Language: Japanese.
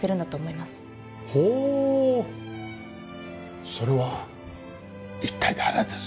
ほうそれは一体誰です？